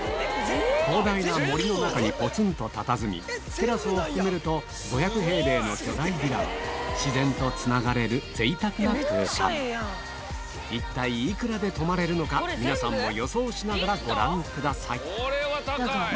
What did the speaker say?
広大な森の中にポツンとたたずみテラスを含めると５００平米の巨大ヴィラは自然とつながれるぜいたくな空間一体幾らで泊まれるのか皆さんも予想しながらご覧ください